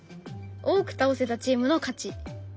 多く倒せたチームの勝ち。